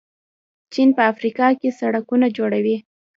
چین په افریقا کې سړکونه جوړوي.